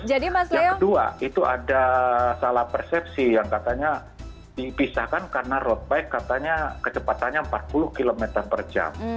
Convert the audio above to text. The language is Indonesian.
yang kedua itu ada salah persepsi yang katanya dipisahkan karena road bike katanya kecepatannya empat puluh km per jam